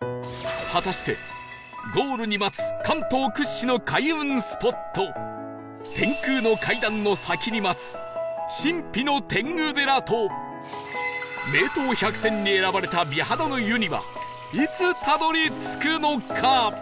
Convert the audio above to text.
果たしてゴールに待つ天空の階段の先に待つ神秘の天狗寺と名湯百選に選ばれた美肌の湯にはいつたどり着くのか？